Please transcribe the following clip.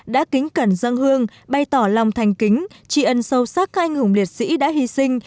đã kính cẩn dân hương bày tỏ lòng thành kính tri ân sâu sắc các anh hùng liệt sĩ đã hy sinh